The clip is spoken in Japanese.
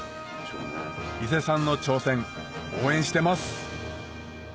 伊勢さんの挑戦応援してます！